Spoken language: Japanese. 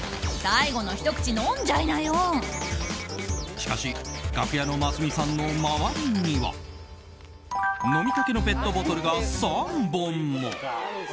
しかし、楽屋のますみさんの周りには飲みかけのペットボトルが３本も。